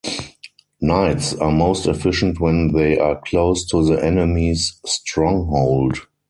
Knights are most efficient when they are close to the enemy's stronghold.